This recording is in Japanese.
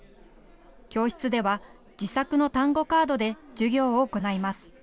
教室では自作の単語カードで授業を行います。